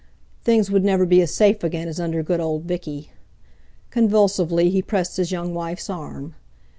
Things would never be as safe again as under good old Viccy! Convulsively he pressed his young wife's arm.